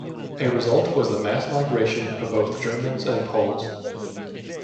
A result was the mass migration of both Germans and Poles.